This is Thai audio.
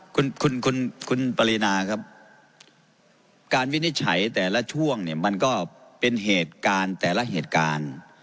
คุณคุณคุณปรินาครับการวินิจฉัยแต่ละช่วงเนี่ยมันก็เป็นเหตุการณ์แต่ละเหตุการณ์